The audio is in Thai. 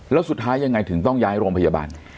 แล้วสุดท้ายยังไงถึงต้องย้ายโรงพยาบาล